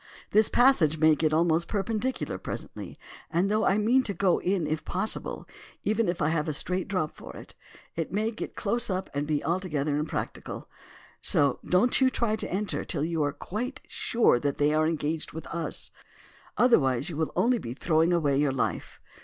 This passage may get almost perpendicular presently; and though I mean to go if possible, even if I have a straight drop for it, it may close up and be altogether impracticable. So don't you try to enter till you are quite sure they are engaged with us, otherwise you will be only throwing away your life."